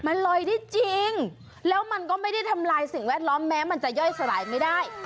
มันลอยได้จริงแล้วมันก็ไม่ได้ทำลายสิ่งแวดล้อมแม้มันจะย่อยสลายไม่ได้